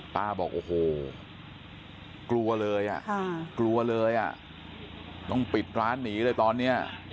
บอกโอ้โหกลัวเลยอ่ะกลัวเลยอ่ะต้องปิดร้านหนีเลยตอนนี้